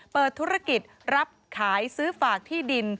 เปิดธุรกิจรับขายซื้อฝากที่ดิน